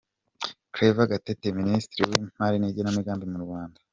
Claver Gatete, Minisitiri w’Imali n’Igenamigambi mu Rwanda.